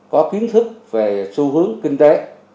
có kiến thức về xu hướng kinh tế